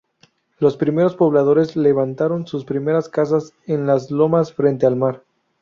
Los primeros pobladores levantaron sus primeras casas en las lomas frente al mar.